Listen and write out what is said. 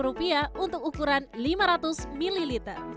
rp lima untuk ukuran lima ratus ml